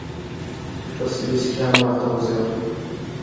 په سویس کې هم ورته وضعیت و.